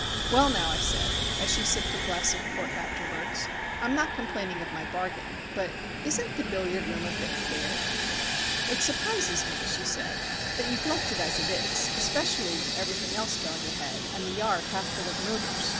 "Well, now," I said, as she sipped her glass of port afterwards, "I'm not complaining of my bargain, but isn't the billiard room a bit queer?" "It surprises me," she said, "that you've left it as it is. Especially with everything else going ahead, and the yard half full of motors.